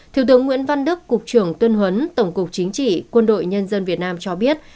thiếu tướng nguyễn văn đức cục trưởng tuyên huấn tổng cục chính trị quân đội nhân dân việt nam cho biết